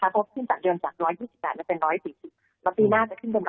ก็ขึ้นเดือนจาก๑๒๘เป็น๑๔๐แล้วปีหน้าจะขึ้นเป็น๑๕๓